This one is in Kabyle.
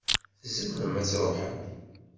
Tzemrem ad tṛuḥem.